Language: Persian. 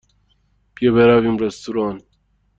بیا برویم رستوران.